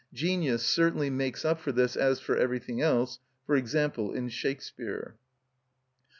Genius certainly makes up for this as for everything else, for example in Shakespeare.